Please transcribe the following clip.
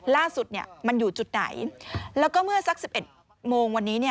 ล่าสุดมันอยู่จุดไหนแล้วก็เมื่อสัก๑๑โมงวันนี้